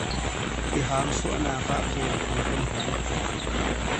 Tihang suahnak ah keuku kan hman.